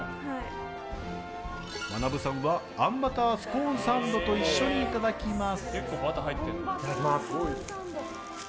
まなぶさんはあんバタースコーンサンドといただきます。